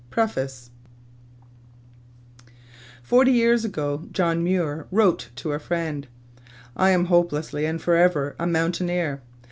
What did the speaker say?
] Preface Forty years ago John Muir wrote to a friend; "I am hopelessly and forever a mountaineer.